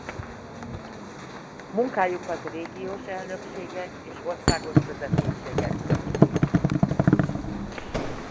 Munkájukat régiós elnökségek és országos vezetőségek segítik.